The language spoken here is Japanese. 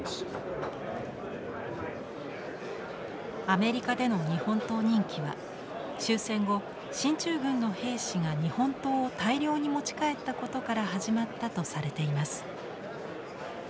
アメリカでの日本刀人気は終戦後進駐軍の兵士が日本刀を大量に持ち帰ったことから始まったとされています。